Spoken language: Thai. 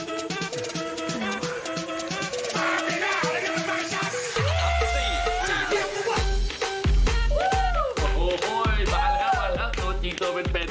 โอ้โหมาแล้วมาแล้วตัวจริงตัวเป็น